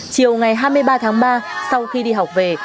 chiều ngày hai mươi ba tháng ba sau khi đi học về